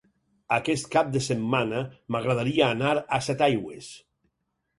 Aquest cap de setmana m'agradaria anar a Setaigües.